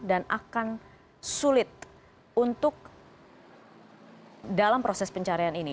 dan akan sulit untuk dalam proses pencarian ini